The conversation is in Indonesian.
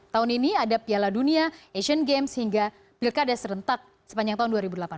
tahun ini ada piala dunia asian games hingga pilkada serentak sepanjang tahun dua ribu delapan belas